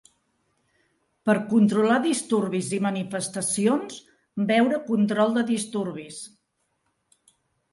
Per controlar disturbis i manifestacions, veure control de disturbis.